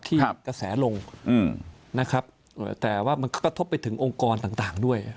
กระแสลงนะครับแต่ว่ามันก็กระทบไปถึงองค์กรต่างด้วย